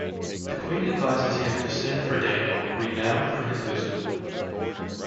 The queen advises him to send for Daniel, renowned for his wisdom.